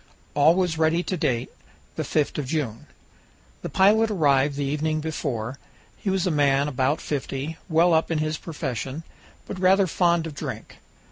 All was ready to date, the 5th of June. The pilot arrived the evening before. He was a man about fifty, well up in his profession, but rather fond of drink.